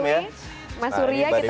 mbak dewi mbak surya kita bikin